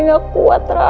gue gak kuat ra